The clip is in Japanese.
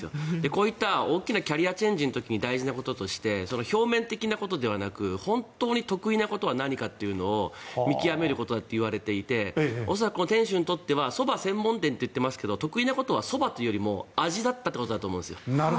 こういった大きなキャリアチェンジの時に大事なこととして表面的なことではなく本当に得意なことはなんだと見極めることといわれていて恐らくこの店主にとってはそば専門店と言っていますが得意なことはそばというよりも味だったということだと思うんですよ。